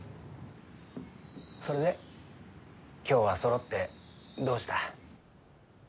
それで今日はそろってどうした？